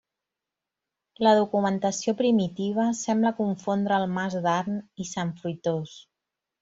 La documentació primitiva sembla confondre el mas d'Arn i Sant Fruitós.